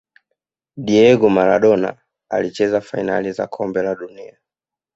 miego Maradona alicheza fainali za kombe la dunia